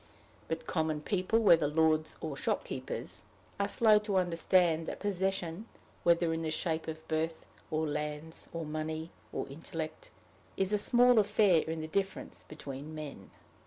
But common people, whether lords or shopkeepers, are slow to understand that possession, whether in the shape of birth, or lands, or money, or intellect, is a small affair in the difference between men.